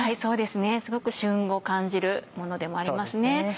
すごく旬を感じるものでもありますね。